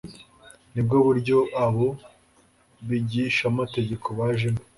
nibwo buryo abo bigishamategeko bajemo.